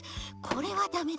これはだめ。